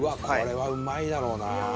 これはうまいだろうなあ。